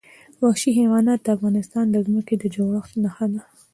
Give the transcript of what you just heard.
وحشي حیوانات د افغانستان د ځمکې د جوړښت نښه ده.